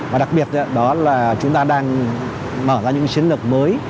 và đặc biệt đó là chúng ta đang mở ra những chiến lược mới